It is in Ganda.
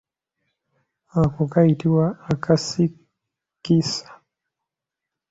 Ako kayitibwa akasikisa.